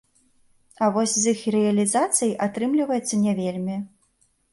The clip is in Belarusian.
А вось з іх рэалізацыяй атрымліваецца не вельмі.